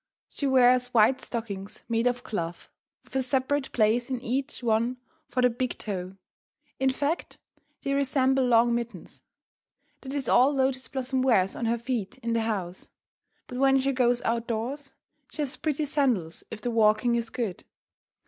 She wears white stockings made of cloth, with a separate place in each one for the big toe. In fact, they resemble long mittens. That is all Lotus Blossom wears on her feet in the house; but when she goes out doors she has pretty sandals, if the walking is good.